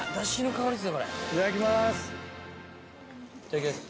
いただきます。